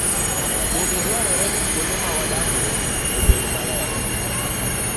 Bende dwarore ni kuonde ma wadakie obed maler.